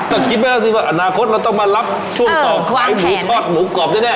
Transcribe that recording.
ก็คิดไปแล้วสิว่าอนาคตเราต้องมารับช่วงต่อใครหมูทอดหมูกรอบแน่